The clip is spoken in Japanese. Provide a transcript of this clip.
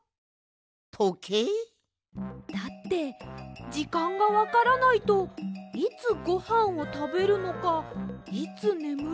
とけい？だってじかんがわからないといつごはんをたべるのかいつねむるのかがわかりません！